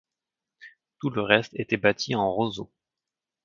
Tout le reste était bâti en roseau.